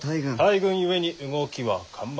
大軍ゆえに動きは緩慢。